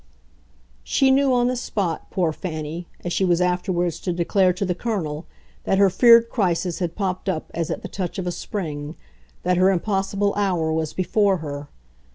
She knew on the spot, poor Fanny, as she was afterwards to declare to the Colonel, that her feared crisis had popped up as at the touch of a spring, that her impossible hour was before her.